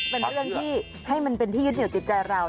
เป็นเรื่องที่ให้มันเป็นที่ยึดเหนียวจิตใจเรา